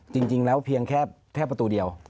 จริงแล้วเพียงแค่ประตูเดียว